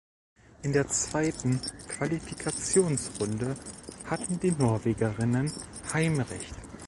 In der zweiten Qualifikationsrunde hatten die Norwegerinnen Heimrecht.